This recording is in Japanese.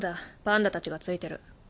パンダたちが付いてる。